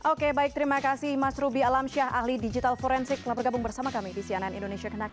oke baik terima kasih mas ruby alamsyah ahli digital forensik telah bergabung bersama kami di cnn indonesia connecte